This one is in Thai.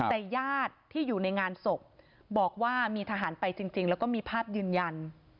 แต่ญาติที่อยู่ในงานศพบอกว่ามีทหารไปจริงแล้วก็มีภาพยืนยัน